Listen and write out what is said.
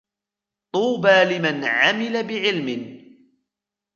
طُوبَى لِمَنْ عَمِلَ بِعِلْمٍ